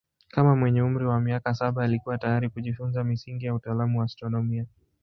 Kama mwenye umri wa miaka saba alikuwa tayari kujifunza misingi ya utaalamu wa astronomia.